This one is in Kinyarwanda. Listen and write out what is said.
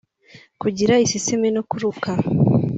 Kugira iseseme no kuruka